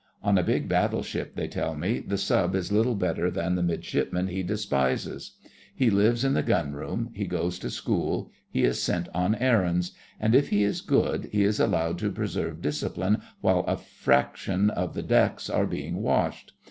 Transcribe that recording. On a big battleship, they tell me, the Sub is little better than the Midshipmen he despises. He lives in the gun room, he goes to school, he is sent on errands, and if he is good he is allowed to preserve discipline while a fraction of the decks are being washed.